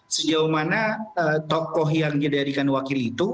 sejauh mana toko yang didadikan wakil itu